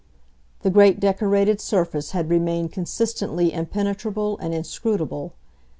The great decorated surface had remained consistently impenetrable and inscrutable.